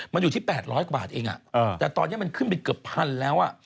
มันอยู่ที่๘๐๐กว่าบาทเองแต่ตอนนี้มันขึ้นไปเกือบพันแล้ว